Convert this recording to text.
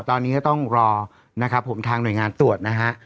ตอนนี้ก็ต้องรอนะครับผมทางหน่วยงานตรวจนะฮะ